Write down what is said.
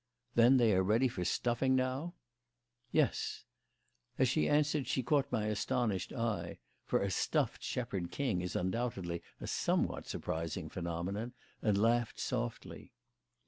"Then they are ready for stuffing now?" "Yes." As she answered she caught my astonished eye (for a stuffed Shepherd King is undoubtedly a somewhat surprising phenomenon) and laughed softly.